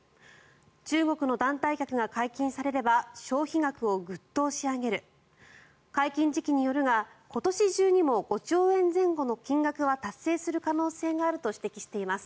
中国の団体客が解禁されれば消費額をグッと押し上げる解禁時期によるが今年中にも５兆円前後の金額は達成する可能性があると指摘しています。